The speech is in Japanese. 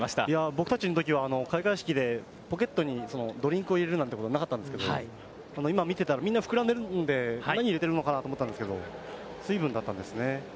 僕たちのときはポケットにドリンクを入れるなんてことはなかったんですけど、今見てたら、膨らんでいるので何を入れてるのかと思ったら、水分だったんですね。